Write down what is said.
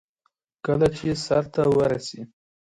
ایا ستاسو کاسه به ډکه وي؟